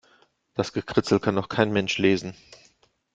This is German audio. Das Gekritzel kann doch kein Mensch lesen.